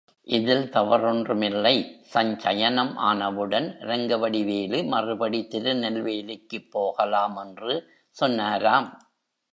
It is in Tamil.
இதில் தவறொன்மில்லை, சஞ்சயனம் ஆனவுடன் ரங்கவடிவேலு மறுபடி திருநெல்வேலிக்குப் போகலாம் என்று சொன்னாராம்.